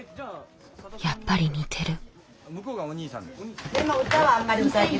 やっぱり似てる。